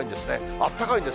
あったかいんです。